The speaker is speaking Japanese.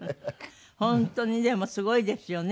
本当にでもすごいですよね。